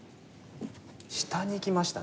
下にいきましたね。